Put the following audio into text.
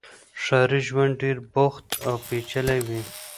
ښاري ژوند ډېر بوخت او پېچلی وي.